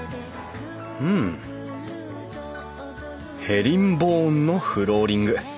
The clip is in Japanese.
ヘリンボーンのフローリング。